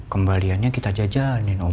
kembaliannya kita jajanin oma